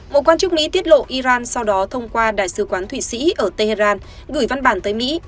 một quan chức mỹ tiết lộ iran sau đó thông qua đại sứ quán thụy sĩ ở tehran gửi văn bản tới mỹ